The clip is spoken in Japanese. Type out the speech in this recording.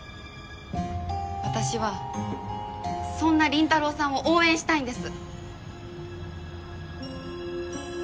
私はそんな倫太郎さんを応援したいんです！